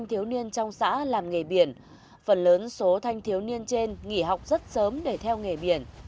các thanh niên trong xã làm nghề biển phần lớn số thanh thiếu niên trên nghỉ học rất sớm để theo nghề biển